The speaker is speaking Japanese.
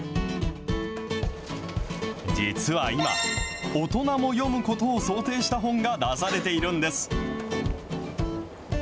実は今、大人も読むことを想定した本が出されているんです。